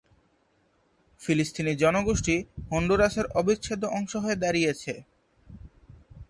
ফিলিস্তিনী জনগোষ্ঠী হন্ডুরাসের অবিচ্ছেদ্য অংশ হয়ে দাঁড়িয়েছে।